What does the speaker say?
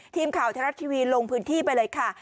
ทีมข่าวไทยรัฐทีวีลงพื้นที่ไปเลยค่ะ